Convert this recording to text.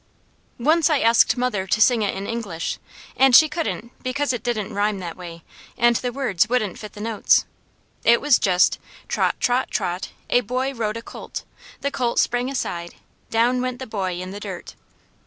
Once I asked mother to sing it in English, and she couldn't because it didn't rhyme that way and the words wouldn't fit the notes; it was just, "Trot, trot, trot, a boy rode a colt. The colt sprang aside; down went the boy in the dirt."